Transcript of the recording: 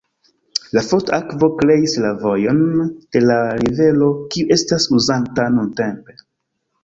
La forta akvo kreis la vojon de la rivero kiu estas uzanta nuntempe.